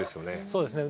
そうですね。